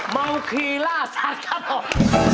เมาคีล่าสัตว์ครับผม